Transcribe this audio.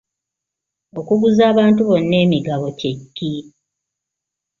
Okuguza abantu bonna emigabo kye ki?